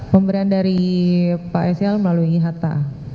pemberian dari pak sel melalui hatta